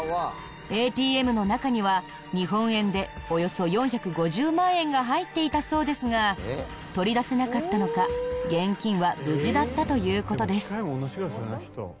ＡＴＭの中には日本円でおよそ４５０万円が入っていたそうですが取り出せなかったのか現金は無事だったという事です。